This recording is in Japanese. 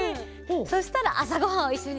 そしたらあさごはんをいっしょにたべよっかな。